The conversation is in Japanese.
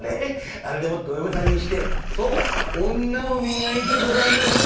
あれでもってお嫁さんにしてそう女を磨いてごらんなさい。